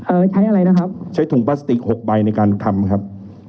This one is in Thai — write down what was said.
ใช้อะไรนะครับใช้ถุงพลาสติกหกใบในการทำครับ